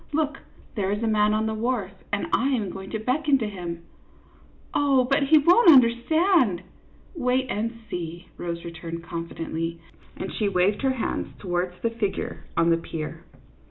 Look, there is a man on the wharf, and I am going to beckon to him." " Oh, but he won't understand !"" Wait and see," Rose returned, confidently, and she waved her hand towards the figure on the pier.